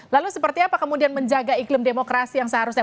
lalu seperti apa kemudian menjaga iklim demokrasi yang seharusnya